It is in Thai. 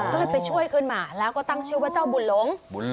ก็เลยไปช่วยขึ้นมาแล้วก็ตั้งชื่อว่าเจ้าบุญหลง